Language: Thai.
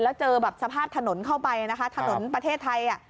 แล้วเจอแบบสภาพถนนเข้าไปนะคะถนนประเทศไทย